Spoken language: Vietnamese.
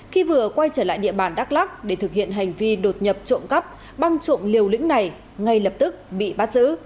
khi vừa quay trở lại địa bàn đắk lắc để thực hiện hành vi đột nhập trộm cắp băng trộm liều lĩnh này ngay lập tức bị bắt giữ